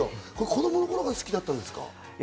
子どもの頃から好きだったんですか？